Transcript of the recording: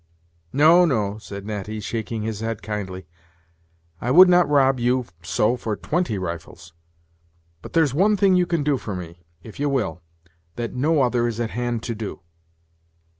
"No, no," said Natty, shaking his head kindly; "I would not rob you so for twenty rifles. But there's one thing you can do for me, if ye will, that no other is at hand to do.